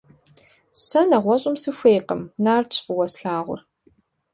Сэ нэгъуэщӏым сыхуейкъым, Нартщ фӏыуэ слъагъур.